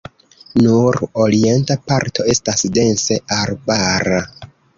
Nur orienta parto estas dense arbara.